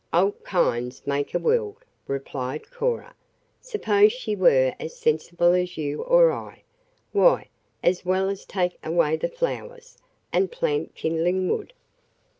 "Alt kinds make a world," replied Cora. "Suppose she were as sensible as you or I? Why, as well take away the flowers, and plant kindling wood."